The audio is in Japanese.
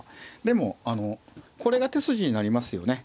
でもあのこれが手筋になりますよね。